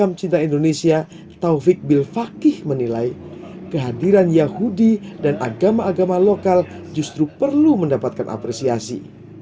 pemerintah indonesia taufik bil fakih menilai kehadiran yahudi dan agama agama lokal justru perlu mendapatkan apresiasi